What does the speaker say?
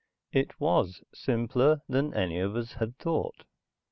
It was simpler than any of us had thought.